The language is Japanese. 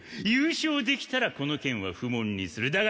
優勝できたらこの件は不問にする。